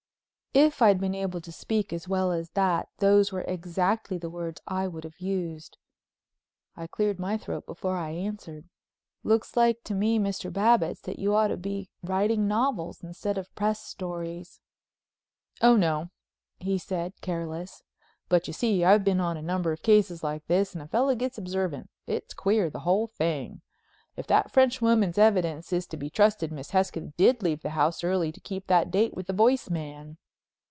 If I'd been able to speak as well as that those were exactly the words I would have used. I cleared my throat before I answered. "Looks like to me, Mr. Babbitts, that you ought to be writing novels instead of press stories." "Oh, no," he said careless, "but, you see, I've been on a number of cases like this and a fellow gets observant. It's queer—the whole thing. If that French woman's evidence is to be trusted Miss Hesketh did leave the house early to keep that date with the Voice Man."